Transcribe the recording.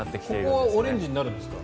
ここはオレンジになるんですか？